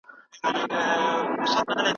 له قرنونو له پېړیو لا لهانده سرګردان دی